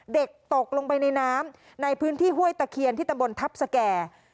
เด็กตกลงไปในน้ำในพื้นที่ห้วยตะเคียนที่ตำบลทัพสแก่